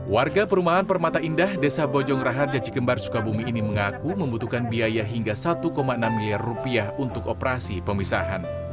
warga perumahan permata indah desa bojong rahar jaci kembar sukabumi ini mengaku membutuhkan biaya hingga satu enam miliar rupiah untuk operasi pemisahan